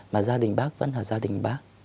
mà gia đình bác vẫn là gia đình bác